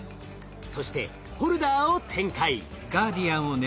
そしてホルダーを展開。